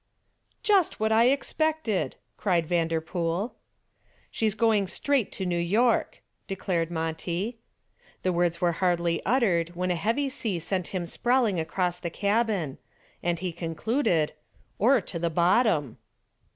"Just what I expected," cried Vanderpool. "She's going straight to New York!" declared Monty. The words were hardly uttered when a heavy sea sent him sprawling across the cabin, and he concluded, "or to the bottom."